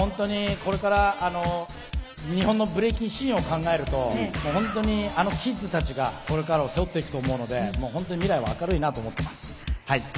これから日本のブレイキンシーンを考えるとあのキッズたちが、これからを背負っていくと思うので本当に未来は明るいなと思います。